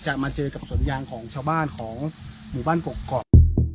มาเจอกับสวนยางของชาวบ้านของหมู่บ้านกกอก